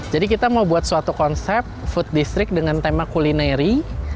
jadi kita mau buat suatu konsep food district dengan tema kulineri